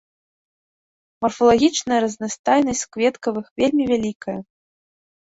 Марфалагічная разнастайнасць кветкавых вельмі вялікая.